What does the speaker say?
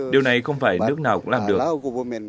điều này không phải nước nào cũng làm được